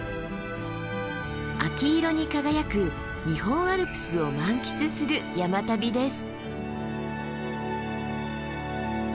秋色に輝く日本アルプスを満喫する山旅です。